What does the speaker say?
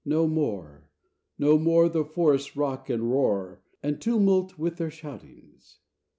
No more, no more, The forests rock and roar And tumult with their shoutings.